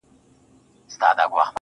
o د سترگو سرو لمبو ته دا پتنگ در اچوم.